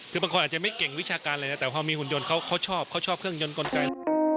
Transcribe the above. คือบางคนอาจจะไม่เก่งวิชาการเลยนะแต่พอมีหุ่นยนต์เขาชอบเขาชอบเครื่องยนต์กลไก